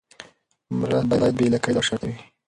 مرسته باید بې له قید او شرطه وي.